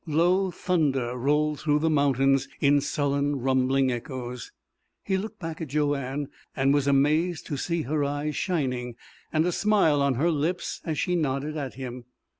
Low thunder rolled through the mountains in sullen, rumbling echoes. He looked back at Joanne, and was amazed to see her eyes shining, and a smile on her lips as she nodded at him.